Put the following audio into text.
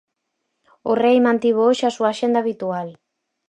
O rei mantivo hoxe a súa axenda habitual.